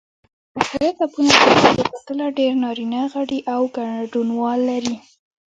اکثریت اپونه د ښځو پرتله ډېر نارینه غړي او ګډونوال لري.